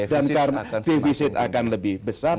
dan karena defisit akan lebih besar